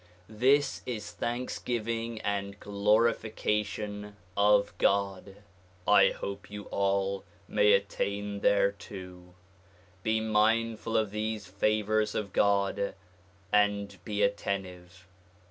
This is thanksgiving and glorification of God. I hope you all may attain thereto, be mindful of these favors of God and be attentive.